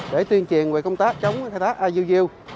để tuyên truyền về công tác chống khai thác iuu